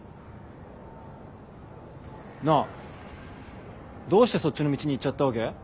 なあどうしてそっちの道に行っちゃったわけ？